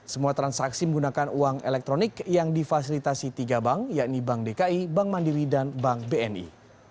semua transaksi menggunakan uang elektronik yang difasilitasi tiga bank yakni bank dki bank mandiri dan bank bni